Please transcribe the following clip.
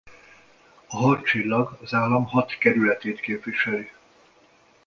A hat csillag az állam hat kerületét képviseli.